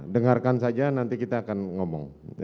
dengarkan saja nanti kita akan ngomong